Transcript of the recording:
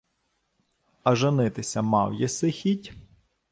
— А женитися мав єси хіть?